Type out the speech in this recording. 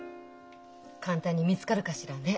簡単に見つかるかしらね？